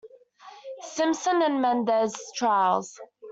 Simpson and Menendez trials.